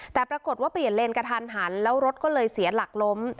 แต่ปรากฏว่าเปลี่ยนเลนกระทันหันแล้วรถก็เลยเสียหลักล้ม